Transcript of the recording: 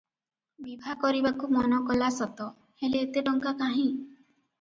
ବିଭା କରିବାକୁ ମନ କଲା ସତ, ହେଲେ ଏତେ ଟଙ୍କା କାହିଁ?